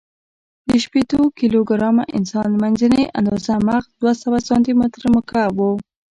د شپېتو کیلو ګرامه انسان، منځنۍ آندازه مغز دوهسوه سانتي متر مکعب و.